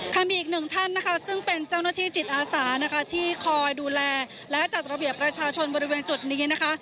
มีอีกหนึ่งท่านนะคะซึ่งเป็นเจ้าหน้าที่จิตอาสานะคะที่คอยดูแลและจัดระเบียบประชาชนบริเวณจุดนี้นะคะ